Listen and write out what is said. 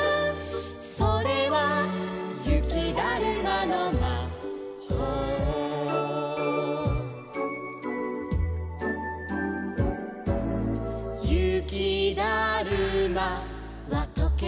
「それはゆきだるまのまほう」「ゆきだるまはとけるとき」